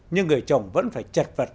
nhưng người chồng vẫn phải chật vật